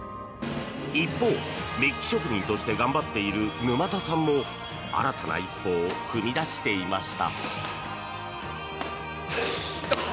一方、メッキ職人として頑張っている沼田さんも新たな一歩を踏み出していました。